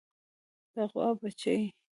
د غوا بچۍ